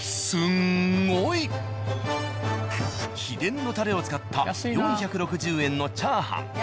秘伝のタレを使った４６０円のチャーハン。